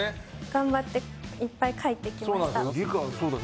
頑張っていっぱい書いてきました。